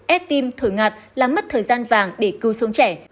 êt tim thổi ngạt làm mất thời gian vàng để cứu sống trẻ